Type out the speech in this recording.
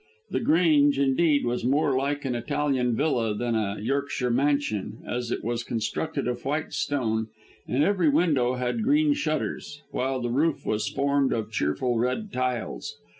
The Grange, indeed, was more like an Italian villa than a Yorkshire mansion, as it was constructed of white stone and every window had green shutters, while the roof was formed of cheerful red tiles.